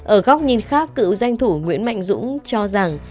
ở góc nhìn khác cựu danh thủ nguyễn mạnh dũng cho rằng